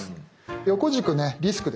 横軸ねリスクです。